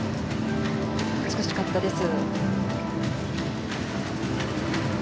美しかったです。